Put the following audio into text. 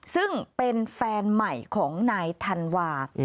ซึ่งเป็นแฟนใหม่ของนายธันวา